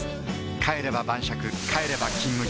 帰れば晩酌帰れば「金麦」